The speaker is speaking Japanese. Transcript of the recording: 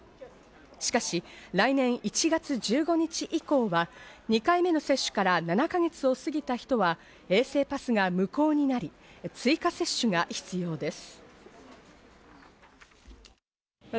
しかし、来年１月１５日以降は２回目の接種から７ヶ月を過ぎた人は衛生パスが無効になり、追加接種が必要です。